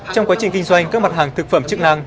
trong quá trình kinh doanh các mặt hàng thực phẩm chức năng